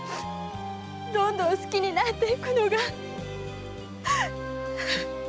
どんどん好きになっていくのが！